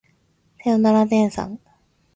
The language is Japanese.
さよなら天さん